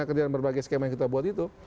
kerjaan berbagai skema yang kita buat itu